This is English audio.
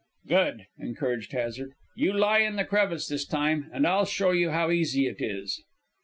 "Good!" encouraged Hazard. "You lie in the crevice this time, and I'll show you how easy it is."